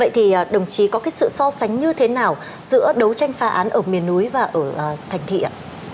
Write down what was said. vậy thì đồng chí có cái sự so sánh như thế nào giữa đấu tranh phá án ở miền núi và ở thành thị ạ